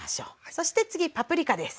そして次パプリカです。